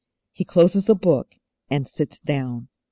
He closes the Book and sits down.